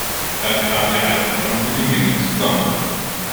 Da kam ja eine ordentliche Menge zusammen!